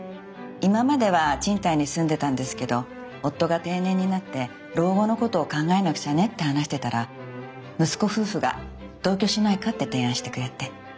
今までは賃貸に住んでたんですけど夫が定年になって「老後のことを考えなくちゃね」って話してたら息子夫婦が「同居しないか」って提案してくれて。